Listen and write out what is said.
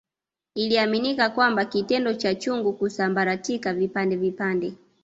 Iliaminika kwamba kitendo cha chungu kusambaratika vipande vipande